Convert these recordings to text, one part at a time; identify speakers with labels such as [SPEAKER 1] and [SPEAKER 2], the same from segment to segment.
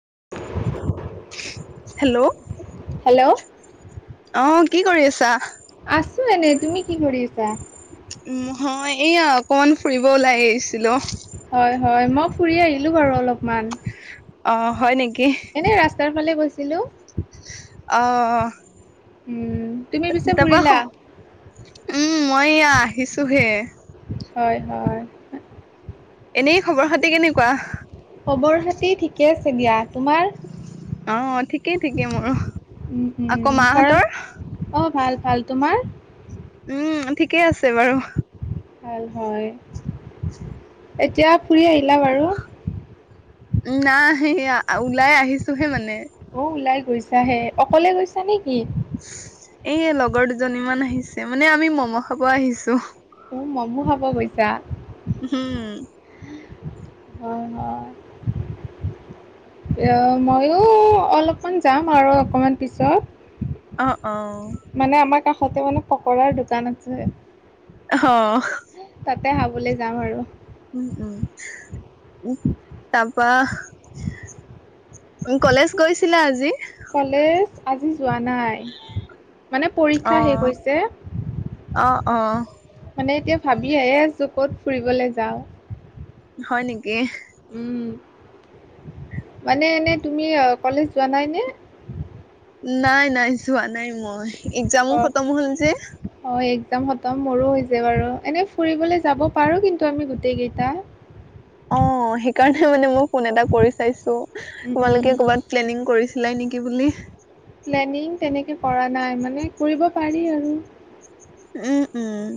[SPEAKER 1] [unintelligible]
[SPEAKER 2] Hello
[SPEAKER 1] hello
[SPEAKER 2] অ কি কৰি আছা
[SPEAKER 1] আছো এনে তুমি কি কৰিছা
[SPEAKER 2] উ হয় এইয়া অকমান ফুৰিব ওলাই আহিছিলো
[SPEAKER 1] হয় হয় মই ফুৰি আহিলোঁ বাৰু অলপমান
[SPEAKER 2] অ হয় নেকি
[SPEAKER 1] এনে ৰাস্তাৰ ফালে গৈছিলো
[SPEAKER 2] অ
[SPEAKER 1] উম তুমি পিছে
[SPEAKER 2] তাৰপা
[SPEAKER 1] ফুৰিলা
[SPEAKER 2] উম মই এয়া আহিছোহে
[SPEAKER 1] হয় হয়
[SPEAKER 2] এনেই খবৰ খাতি কেনেকুৱা
[SPEAKER 1] খবৰ খাতি ঠিকে আছে দিয়া তোমাৰ
[SPEAKER 2] অ ঠিকেই ঠিকেই মোৰ
[SPEAKER 1] উম উম
[SPEAKER 2] আকৌ
[SPEAKER 1] ঘৰত
[SPEAKER 2] মাহঁতৰ
[SPEAKER 1] অ ভাল ভাল তোমাৰ
[SPEAKER 2] উম ঠিকেই আছে বাৰু
[SPEAKER 1] ভাল হয় এতিয়া ফুৰি আহিলা বাৰু
[SPEAKER 2] নাই সেই ওলাই আহিছোহে মানে
[SPEAKER 1] অ ওলাই গৈছাহে অকলে গৈছা নে কি
[SPEAKER 2] এ লগৰ দুজনীমান আহিছে মানে আমি মম' খাব আহিছো
[SPEAKER 1] উ মমো হাব গৈছা
[SPEAKER 2] হম
[SPEAKER 1] বনৰ এ ময়ো অলপমান যাম আৰু অকমান পিছত
[SPEAKER 2] অ অ
[SPEAKER 1] তিতে মানে পকাৰ দোকান আছে
[SPEAKER 2] অ
[SPEAKER 1] তাতে খাবলৈ যাম আৰু
[SPEAKER 2] উম উম উ তাপা উ কলেজ গৈছিলা আজি
[SPEAKER 1] কলেজ আজি যোৱা নাই মানে
[SPEAKER 2] অ
[SPEAKER 1] পৰীক্ষা শেষ হৈছে
[SPEAKER 2] অ
[SPEAKER 1] মানে এতিয়া
[SPEAKER 2] অ
[SPEAKER 1] ভাবি চু ক'ত ফুৰিবলৈ যাওঁ
[SPEAKER 2] হয় নেকি
[SPEAKER 1] মানে এনেই তুমি কলেজ যোৱা নাই নে
[SPEAKER 2] নাই, নাই, যোৱা নাই মই। এক্জামো
[SPEAKER 1] অ
[SPEAKER 2] খতম হ'ল যে।
[SPEAKER 1] অ এক্জাম খতম মোৰো হৈছে বাৰু এনেই ফুৰিবলৈ যাব পাৰো কিন্তু আমি গোটেই কেইটা।
[SPEAKER 2] অ', সেইকাৰণে মানে মই ফোন এটা কৰি চাইছো।
[SPEAKER 1] উম উম
[SPEAKER 2] তোমালোকে কৰবাত প্লেনিং কৰি লাই নেকি বুলি।
[SPEAKER 1] প্লেনিং তেনেকৈ কৰা নাই। মানে কৰিব পাৰি আৰু
[SPEAKER 2] উম, উম।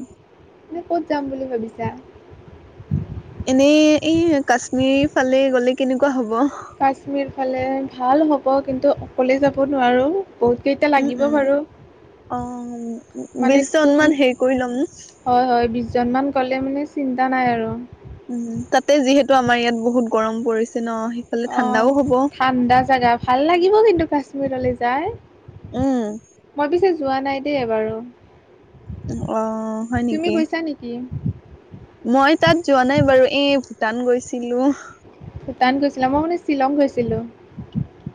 [SPEAKER 1] এনেই ক'ত যাম বুলি ভাবিছা
[SPEAKER 2] এনেই এই কাশ্মীৰ ফালে গলে কেনেকুৱা হব
[SPEAKER 1] কাশ্মীৰ ফালে ভাল হ'ব কিন্তু অকলে যাব নোৱাৰো বহুত কেইটা
[SPEAKER 2] উম,
[SPEAKER 1] লাগিব
[SPEAKER 2] উম।
[SPEAKER 1] বাৰু।
[SPEAKER 2] অ'
[SPEAKER 1] মানে
[SPEAKER 2] বিশ জন মান
[SPEAKER 1] তোম
[SPEAKER 2] হেৰি কৰি ল'ম।
[SPEAKER 1] হয় হয় বিশ জন মান গলে মানে চিন্তা নাই আৰু
[SPEAKER 2] উম তাতে যিহেতু আমাৰ ইয়াত বহুত গৰম পৰিছ
[SPEAKER 1] অ ঠাণ্ডা জাগা ভাল লাগিব কিন্তু কাশ্মীৰলে যাই
[SPEAKER 2] উম,
[SPEAKER 1] মই পিছে যোৱা নাই দেই এবাৰো
[SPEAKER 2] অ হয় নেকি
[SPEAKER 1] নেকি
[SPEAKER 2] মই তাত যোৱা নাই বাৰু এই ভূটান গৈছিলো
[SPEAKER 1] ভূটান গৈছিলা মই মানে শ্বিলং গৈছিলো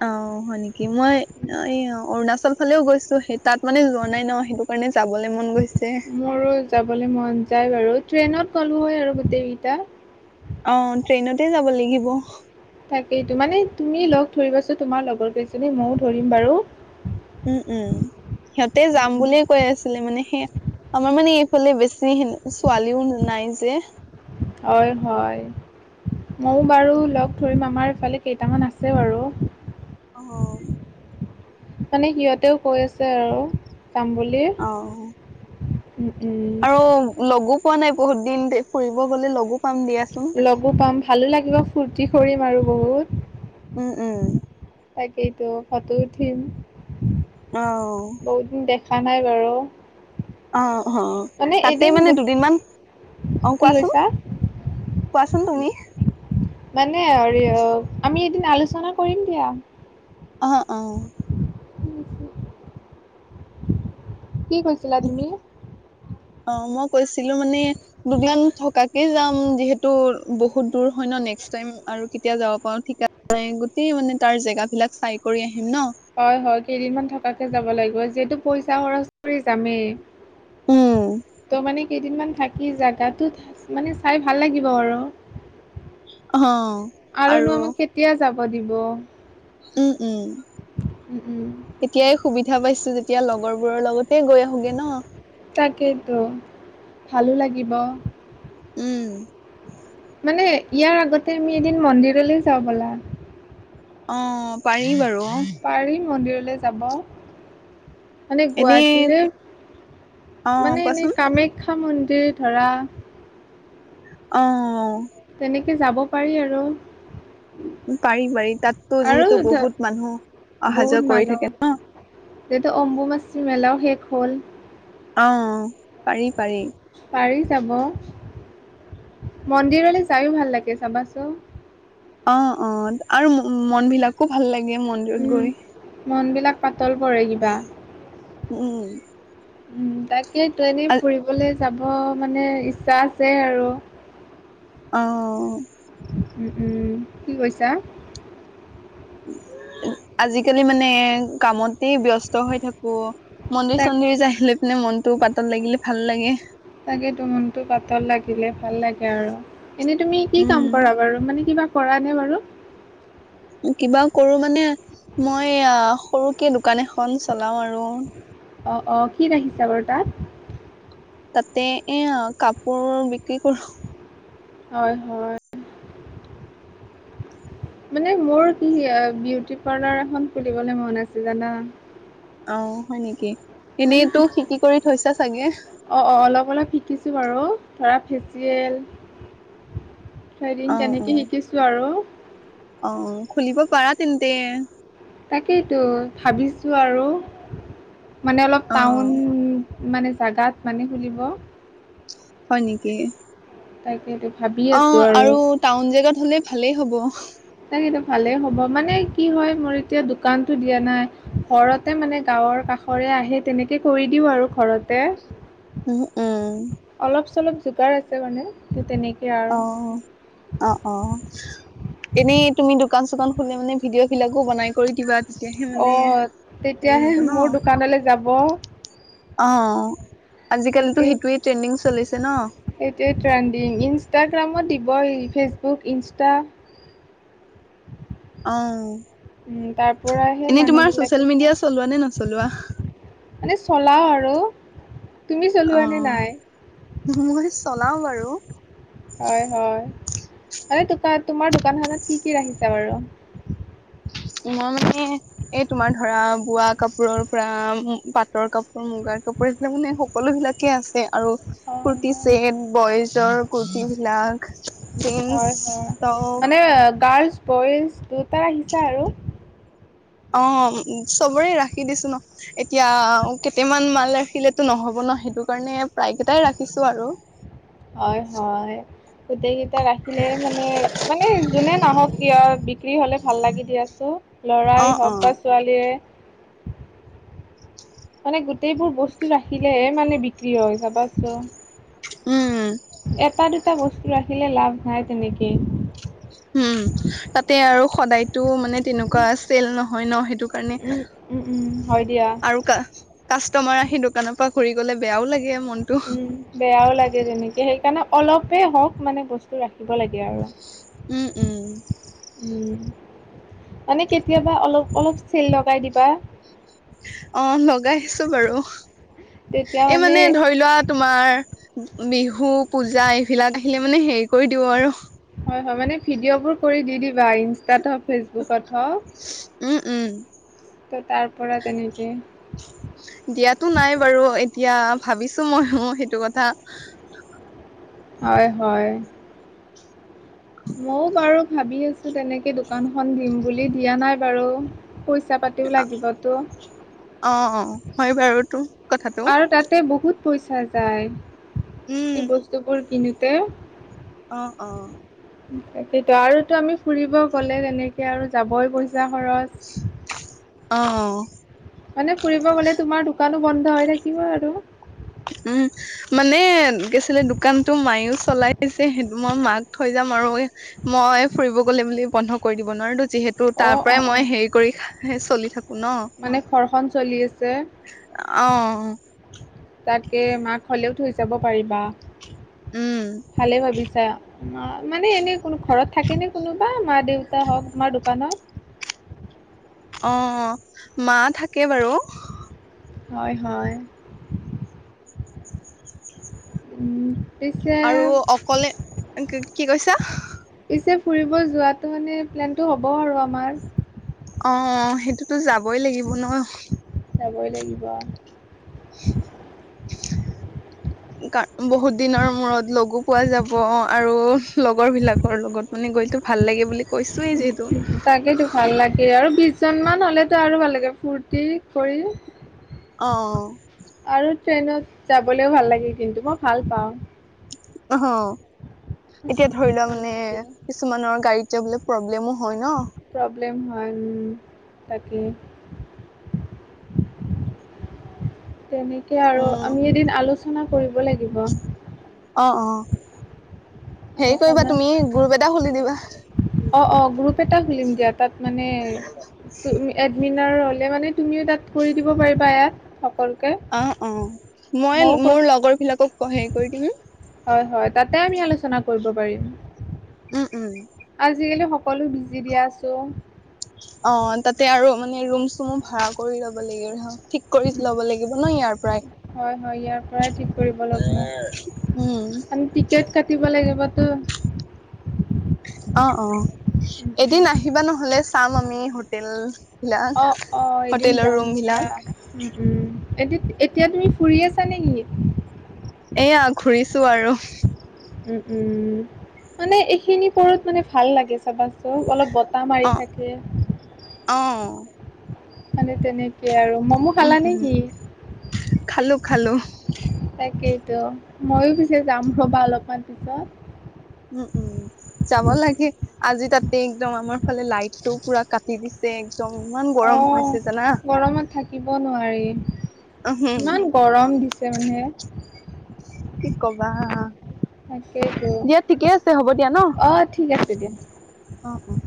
[SPEAKER 2] অ হয় নেকি মই অৰুণাচল ফালেও গৈছো সেই তাত মানে যোৱা নাই ন সেইটো কা মানে যাবলৈ মন গৈছে।
[SPEAKER 1] মোৰো যাবলৈ মন যায় বাৰু, ট্ৰেইনত গ'লো হয় আৰু গোটেইকেইটা।
[SPEAKER 2] অ, ট্ৰেইনতে যাব লাগিব।
[SPEAKER 1] তাকেইটো, মানে তুমি লগ ধৰিবাচোন তোমাৰ লগৰ কেইজনী, ময়ো ধৰিম বাৰু!
[SPEAKER 2] উম, উম, সিহঁতে যাম বুলিয়ে কৈ আছিলে মানে, সেই আমাৰ মানে সেইফালে বেছি ছোৱালীও নাই যে।
[SPEAKER 1] হয় হয় ময়ো বাৰু লগ ধৰিম, আমাৰ ইফালে কেইটামান আছে বাৰু!
[SPEAKER 2] অ।
[SPEAKER 1] মানে সিহঁতেও কৈ আছে আৰু যাম বুলি!
[SPEAKER 2] অ
[SPEAKER 1] উম, উম।
[SPEAKER 2] আৰু লগো পোৱা নাই বহুত দিন, ফুৰিব গ'লে লগো পাম দিয়াচোন
[SPEAKER 1] লগো পাম, ভালো লাগিব, ফূুৰ্তি কৰিম, আৰু বহুত
[SPEAKER 2] উম উম
[SPEAKER 1] তাকেইটো, ফটো উঠিম।
[SPEAKER 2] অ'।
[SPEAKER 1] খোৱা নাই বাৰু
[SPEAKER 2] অ', অ',
[SPEAKER 1] মানে
[SPEAKER 2] তাতেই
[SPEAKER 1] এদিন
[SPEAKER 2] মানে
[SPEAKER 1] গোট
[SPEAKER 2] দুদিনমান, অ',
[SPEAKER 1] কি
[SPEAKER 2] কোৱাচোন?
[SPEAKER 1] কৈছা
[SPEAKER 2] কোৱাচোন তুমি।
[SPEAKER 1] মানে হৰি অ', আমি এদিন আলোচনা কৰিম দিয়া।
[SPEAKER 2] অ', অ'।
[SPEAKER 1] কি কৈছিলা তুমি?
[SPEAKER 2] অ', মই কৈছিলো মানে দুদিন থকাকে যাম, যিহেতু বহুত দূৰ হয়। [unintelligible] ন নেক্সট টাইম আৰু কেতিয়া যাব পাৰো ঠিক [unintelligible] গোতেই মানে তাৰ জেগ বিলাক চাই কৰি আহিম ন
[SPEAKER 1] হয়, হয়। কেইদিনমান থকাকে যাব লাগিব, যিহেতু পইচা খৰচ কৰি যামেই। ত মানে কেইদিনমান থাকি জাগাটোত, মানে চাই ভাল লাগিব আৰু।
[SPEAKER 2] অ আৰু
[SPEAKER 1] আৰুনো আমাক কেতিয়া যাব দিব!
[SPEAKER 2] উম উম
[SPEAKER 1] হম, হম।
[SPEAKER 2] ধা পাইছো যেতিয়া লগৰবোৰৰ লগতে গৈ আহোগে ন।
[SPEAKER 1] তাকেইেতো, ভালো লাগিব।
[SPEAKER 2] উম।
[SPEAKER 1] মানে ইয়াৰ আগতে আমি এদিন মন্দিৰলৈ যাওঁ ব'লা।
[SPEAKER 2] অ', পাৰি বাৰু।
[SPEAKER 1] পাৰিম মন্দিৰলৈ যাব। মানে
[SPEAKER 2] এনেই
[SPEAKER 1] গুৱাহাটীৰে,
[SPEAKER 2] অ
[SPEAKER 1] মানে
[SPEAKER 2] কোৱাচোন
[SPEAKER 1] এনেই কামেখ্যা খ্যা মন্দিৰ ধৰা।
[SPEAKER 2] অ',
[SPEAKER 1] তে যাব পাৰি আৰু।
[SPEAKER 2] পাৰি পাৰি তাততো
[SPEAKER 1] আৰু
[SPEAKER 2] যিহেতু
[SPEAKER 1] ধ-
[SPEAKER 2] বহুত মানুহ অহা যোৱা কৰি থাকে ন।
[SPEAKER 1] এতিয়া অম্বোবাচি মেলাও শেষ হ'ল।
[SPEAKER 2] অ', পাৰি। পাৰি
[SPEAKER 1] পাৰি যাব। মন্দিৰলৈ যায়ো ভাল লাগে চাবাচোন।
[SPEAKER 2] অ', অ', আৰু ম মন বিলাকো ভাল লাগে মন্দিৰত গৈ।
[SPEAKER 1] তাইও কৰে কিবা, উম তাকে তো এনেই ফুৰিবলে যাব মানে ইচ্ছা আছে আৰু।
[SPEAKER 2] অ
[SPEAKER 1] উম, উম, কি কৈছা?
[SPEAKER 2] আজিকালি মানে কামতেই ব্যস্ত হৈ থাকো। মন্দিৰ
[SPEAKER 1] তাক
[SPEAKER 2] চন্দিৰ যায় লৈ পেলাই মনটোও পাতল লাগিলে ভাল লাগে।
[SPEAKER 1] তাকেতো, মনটো পাতল লাগিলে ভাল লাগে আৰু। এনে তুমি কি কাম কৰা
[SPEAKER 2] উম
[SPEAKER 1] বাৰু, মানে কিবা কৰা নে বাৰু?
[SPEAKER 2] কিবা কৰো মানে মই এয়া সৰুকে দোকান এখন চলাও আৰু।
[SPEAKER 1] অ, অ', কি ৰাখিছা বাৰু তাত?
[SPEAKER 2] তাতে এয়া, কাপোৰ বিক্ৰী কৰো।
[SPEAKER 1] হয়, হয়। মানে মোৰ কি বিউটি পাৰ্লাৰ এখন খুলিবলৈ মন আছে জানা।
[SPEAKER 2] অ', হয় নেকি?
[SPEAKER 1] মানে
[SPEAKER 2] এনেইতো
[SPEAKER 1] শিক,
[SPEAKER 2] শিকি কৰি থৈছা চাগে
[SPEAKER 1] অ', অ', অলপ অলপ শিকিছো বাৰু। ধৰা ফেচিয়েল,
[SPEAKER 2] অ
[SPEAKER 1] থ্ৰেডিং
[SPEAKER 2] অ
[SPEAKER 1] তেনেকে শিকিছো আৰু।
[SPEAKER 2] অ', খুলিব পাৰা তেন্তে।
[SPEAKER 1] তাকেতো, ভাবিছো আৰু, মানে অলপ
[SPEAKER 2] অ
[SPEAKER 1] টাউন মানে জাগাত মানে খুলিব।
[SPEAKER 2] হয় নেকি।
[SPEAKER 1] তাকেইতো। ভাবি আছো
[SPEAKER 2] অ', আৰু টাউন জেগাত হলে ভালেই হ'ব।
[SPEAKER 1] [unintelligible] ভালেই হ'ব মানে কি হয় মোৰ এতিয়া দোকানতো দিয়া নাই ঘৰতে মানে গাওঁৰ কাষ ঘৰে আহে তেনেকৈ কৰি দিওঁ আৰু ঘৰতে।
[SPEAKER 2] উম উম।
[SPEAKER 1] চুপাৰ আছে মানে ত তেনেকৈ
[SPEAKER 2] অ', অ', অ'। এনেই তুমি দোকান চোকান খোলে মানে ভিডিঅ বিলাকো বনাই কৰি দিবা। তেতিয়াহে মানে
[SPEAKER 1] অ',
[SPEAKER 2] হেৰি
[SPEAKER 1] তেতিয়াহে
[SPEAKER 2] হ'ব ন।
[SPEAKER 1] মোৰ দোকানলৈ যাব।
[SPEAKER 2] অ'। আজিকালিতো
[SPEAKER 1] তাকে
[SPEAKER 2] সেইটোৱে ট্ৰেণ্ডিং চলিছে ন।
[SPEAKER 1] হত্যাই তিন্দিং ইনষ্টগ্ৰামত দিব মই ফেচবুক, ইনষ্টা।
[SPEAKER 2] অ',
[SPEAKER 1] উম, তাৰ পৰা সেই
[SPEAKER 2] এনে তোমাৰ
[SPEAKER 1] মানুহবিলাকে
[SPEAKER 2] চচিয়েল
[SPEAKER 1] চাই
[SPEAKER 2] মিডিয়া চলোৱা নে নচলোৱা।
[SPEAKER 1] মানে চলাও আৰু, তুমি
[SPEAKER 2] অ
[SPEAKER 1] চলোৱা নে নাই।
[SPEAKER 2] মই চলাও বাৰু।
[SPEAKER 1] হয় হয় [unintelligible] তোমাৰ দোকানখনত কি কি ৰাখিছা বাৰু।
[SPEAKER 2] মই মানে, এই তোমাৰ ধৰা বোৱা কাপোৰৰ পৰা, পাটৰ কাপোৰ, মুগা [unintelligible] মানে সকলো বিলাকে আছে। আৰু কুৰ্তি
[SPEAKER 1] হয়
[SPEAKER 2] চেট, বইজৰ কুৰ্তি বিলাক, জিন্স
[SPEAKER 1] হয় হয়
[SPEAKER 2] টপ
[SPEAKER 1] মানে গাৰ্লছ বইজ দুটা আহিছে আৰু।
[SPEAKER 2] অ চবৰে ৰাখি দিছো ন এতিয়া কেইটামান মাল ৰাখিলেতো নহ'ব ন সেইটো কাৰণে প্ৰায়কেইটাই ৰাখিছো আৰু।
[SPEAKER 1] হয়, হয়। গোটেই কেইটা ৰাখিলে মানে, মানে যোনে নাহক কিয় বিক্ৰী হলে ভাল লাগি দিয়াচোন। লৰাই
[SPEAKER 2] অ',
[SPEAKER 1] হওক বা
[SPEAKER 2] অ'।
[SPEAKER 1] ছোৱালীয়ে। মানে গোটেইবোৰ বস্তু ৰাখিলেহে মানে বিক্ৰী হৈ চাবাচোন।
[SPEAKER 2] উম।
[SPEAKER 1] এটা দুটা বস্তু ৰাখিলে লাভ নাই তেনেকেই।
[SPEAKER 2] উম, তাতে আৰু সদায়তো মানে তেনেকুৱা আছিল নহয় ন সেইটো [unintelligible]
[SPEAKER 1] উম উম উম হয় দিয়া
[SPEAKER 2] আৰু কা-কাষ্টমাৰ আহি দোকানৰ পৰা ঘুৰি গলে বেয়াও লাগে। মনটো।
[SPEAKER 1] উম, বেয়াও লাগে তেনেকে সেইকাৰণে অলপেই হওক মানে বস্তু ৰাখিব লাগে আৰু।
[SPEAKER 2] উম, উম।
[SPEAKER 1] উম মানে কেতিয়াবা অলপ অলপ চেল লগাই দিবা,
[SPEAKER 2] অ, লগাইছো বাৰু, এই মানে ধৰি লোৱা তোমাৰ বিহু, পূজা এইবিলাক আহিলে মানে হেৰি কৰি দিও আৰু।
[SPEAKER 1] হয়, হয়, মানে ভিডিঅ'বোৰ কৰি দি দিবা ইনষ্টাত ফেচবুকত হওঁক,
[SPEAKER 2] উম, উম।
[SPEAKER 1] ত' তাৰপৰা তেনেকে,
[SPEAKER 2] দিয়াতো নাই বাৰু এতিয়া ভাবিছো ম-ময়ো সেইটো কথা।
[SPEAKER 1] হয়, হয়। ময়ো বাৰু ভাবি আছোঁ তেনেকে দোকানখন দিম বুলি, দিয়া নাই বাৰু। পইচা পাতিও লাগিবতো।
[SPEAKER 2] অ, অ, হয় বাৰু তো কথাটো।
[SPEAKER 1] আৰু তাতে বহুত পইচা যায়,
[SPEAKER 2] উম
[SPEAKER 1] সেই বস্তুবোৰ কিনোতে,
[SPEAKER 2] অ, অ।
[SPEAKER 1] তাকেইেতো, আৰুটো আমি ফুৰিব গ'লে তেনেকে আৰু যাবই পইচা খৰচ।
[SPEAKER 2] অ।
[SPEAKER 1] মানে ফুৰিব গলে তোমাৰ দোকানো বন্ধ হৈ থাকিব আৰু।
[SPEAKER 2] উম মানে [unintelligible] দোকানতো মায়েও চলাইছে সেইটো মই মাক থৈ যাম আৰু মই ফুৰিব গ'লে বুলি বন্ধ কৰি দিব নোৱাৰোটো যিহেতু
[SPEAKER 1] অ
[SPEAKER 2] তাৰ
[SPEAKER 1] অ
[SPEAKER 2] পৰাই
[SPEAKER 1] অ
[SPEAKER 2] মই হেৰি কৰি চলি থাকো। ন
[SPEAKER 1] মানে ঘৰখন চলি আছে।
[SPEAKER 2] অ
[SPEAKER 1] তাকে মাক হলেও থৈ যাব পাৰিবা,
[SPEAKER 2] উম
[SPEAKER 1] ভালেই ভাবিছ আচ্ছা, মানে এনেই কোন ঘৰত থাকেনে কোনোবা মা দেউতা হওক তোমাৰ দোকানত?
[SPEAKER 2] [inaudible] মা থাকে বাৰু।
[SPEAKER 1] হয়, হয়। উম। পিছে
[SPEAKER 2] আৰু অকলে, কি কৈছা?
[SPEAKER 1] পিছে ফুৰিব যোৱাটো মানে প্লেনটো হ'ব আৰু আমাৰ।
[SPEAKER 2] অ, সেইটোতো যাবই লাগিব নহয়
[SPEAKER 1] যাবই লাগিব।
[SPEAKER 2] [inaudible] বহুত দিনৰ মূৰত লগো পোৱা যাব আৰু লগৰ বিলাকৰ লগত মানে গইটো ভাল লাগে বুলি কৈছোয়েই যিহেতু।
[SPEAKER 1] তাকেইেতো ভাল লাগে আৰু বিশজনমান হলেতো আৰু ভাল লাগে ফূুৰ্তি কৰি,
[SPEAKER 2] অ।
[SPEAKER 1] আৰু ট্ৰেইনত যাবলৈও ভাল লাগিল কিন্তু মই ভাল পাওঁ।
[SPEAKER 2] অ', এতিয়া ধৰি লোৱা মানে
[SPEAKER 1] তেনেকে
[SPEAKER 2] কিছুমানৰ গাড়ীত এতিয়া বোলে প্ৰব্লেমো হয় ন?
[SPEAKER 1] প্ৰব্লেম হয় উম, তাকে। তেনেকৈ আৰু
[SPEAKER 2] উম
[SPEAKER 1] আমি এদিন আলোচনা কৰিব লাগিব।
[SPEAKER 2] অ', অ' হেৰি কৰিবা
[SPEAKER 1] আলোচনা
[SPEAKER 2] তুমি গ্ৰুপ এটা খুলি দিবা।
[SPEAKER 1] অ', অ' গ্ৰুপ এটা খুলিম দিয়া তাত মানে এডমিনাৰ হলে মানে তুমিও তাত কৰি দিব পাৰিবা ইয়াত অকল
[SPEAKER 2] অ', অ' মই মোৰ লগৰ বিলাকক হেৰি কৰি দিম।
[SPEAKER 1] হয়, হয় তাতে আমি আলোচনা কৰিব পাৰিম।
[SPEAKER 2] উম, উম।
[SPEAKER 1] আজিকালি সকলো বিজি দিয়া আছোঁ।
[SPEAKER 2] অ', তাতে আৰু মানে ৰুম চুমো ভাড়া কৰি ল'ব লাগিব ঠিক কৰি ল'ব লাগিব ন ইয়াৰ পৰাই।
[SPEAKER 1] হয়, হয় ইয়াৰ পৰাই ঠিক কৰিব
[SPEAKER 2] উম
[SPEAKER 1] লগিব। আন টিকেট কাটিব লাগিব টো
[SPEAKER 2] অ', অ' এদিন আহিবা নহ'লে চাম আমি হোটেল বিলাক
[SPEAKER 1] অ', অ' এদিন
[SPEAKER 2] হোটেলৰ
[SPEAKER 1] যাম
[SPEAKER 2] ৰুম
[SPEAKER 1] দিয়া
[SPEAKER 2] বিলাক
[SPEAKER 1] উম, উম। এ এতিয়া তুমি ফুৰি আছা নে কি?
[SPEAKER 2] এয়া ঘুৰিছো আৰু
[SPEAKER 1] উম, উম মানে এইখিনি কৰত মানে ভাল লাগে চাবা চ অলপ মাৰি
[SPEAKER 2] আহ,
[SPEAKER 1] থাকে
[SPEAKER 2] আহ।
[SPEAKER 1] মানে তেনেকে আৰু মমো খালা নে
[SPEAKER 2] উম
[SPEAKER 1] কি?
[SPEAKER 2] খালো খালো।
[SPEAKER 1] তাকেইতো ময়ো পিছে যাম ৰ'বা অলপমান পিছত।
[SPEAKER 2] উম, উম যাব লাগে আজি তাতে একদম আমাৰ ফালে লাইটটো পুৰা কাটি দিছে একদম ইমান গৰম
[SPEAKER 1] অ',
[SPEAKER 2] হৈছে জানা
[SPEAKER 1] গৰমত থাকিব নোৱাৰি।
[SPEAKER 2] উম
[SPEAKER 1] ইমান গৰম দিছে মানে।
[SPEAKER 2] কি কবা
[SPEAKER 1] তাকেইতো
[SPEAKER 2] দিয়া ঠিকে আছে হ'ব দিয়া ন।
[SPEAKER 1] অ', ঠিক আছে দিয়া।
[SPEAKER 2] অ', অ'।